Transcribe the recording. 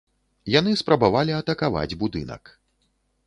Яны спрабавалі атакаваць будынак.